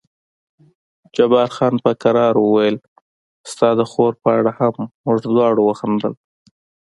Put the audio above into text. جبار خان په کرار وویل ستا د خور په اړه هم، موږ دواړو وخندل.